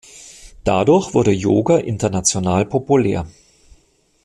Dadurch wurde Yoga international populär.